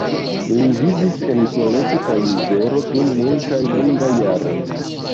Li vivis en soleco kaj mizero dum multaj longaj jaroj.